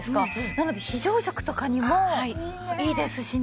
なので非常食とかにもいいですしね。